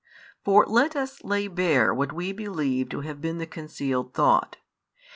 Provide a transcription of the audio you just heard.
For let us lay bare what we believe to have been the concealed thought.